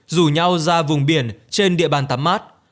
rủ nhau ra vùng biển trên địa bàn tắm mát